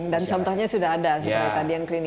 dan contohnya sudah ada